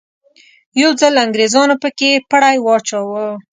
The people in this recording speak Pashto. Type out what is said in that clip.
یو ځل انګریزانو په کې پړی واچاوه.